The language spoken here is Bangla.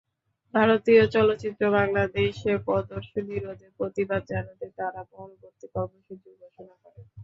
ভারতীয় চলচ্চিত্র বাংলাদেশে প্রদর্শনী রোধে প্রতিবাদ জানাতে তাঁরা পরবর্তী কর্মসূচিও ঘোষণা করেন।